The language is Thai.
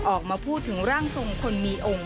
ออกมาพูดถึงร่างทรงคนมีองค์